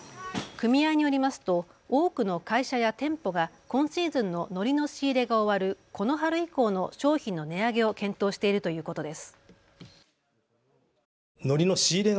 組合によりますと多くの会社や店舗が今シーズンののりの仕入れが終わるこの春以降の商品の値上げを検討しているということです。